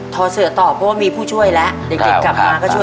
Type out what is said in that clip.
ทดเสือต่อเพราะว่ามีผู้ช่วยแล้ว